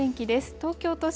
東京都心